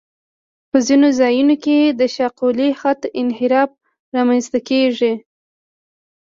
په ځینو ځایونو کې د شاقولي خط انحراف رامنځته کیږي